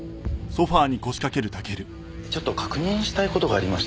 ちょっと確認したい事がありまして。